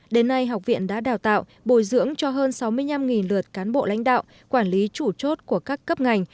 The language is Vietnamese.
đến nay học viện đã đào tạo bồi dưỡng cho hơn sáu mươi năm lượt cán bộ lãnh đạo quản lý chủ chốt của các cấp ngành